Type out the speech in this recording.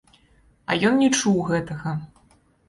А ён не чуў гэтага.